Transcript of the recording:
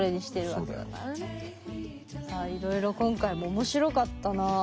さあいろいろ今回も面白かったなぁ。